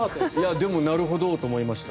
でもなるほどと思いました。